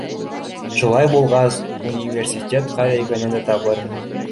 Шулай булғас, университет ҡайҙа икәнен дә табырһың!